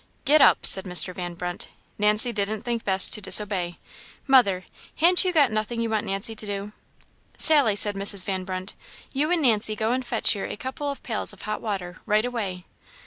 "Get up!" said Mr. Van Brunt. Nancy didn't think best to disobey. "Mother, han't you got nothing you want Nancy to do?" "Sally," said Mrs. Van Brunt, "you and Nancy go and fetch here a couple of pails of hot water right away."